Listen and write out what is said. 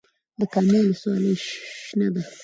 د کامې ولسوالۍ شنه ده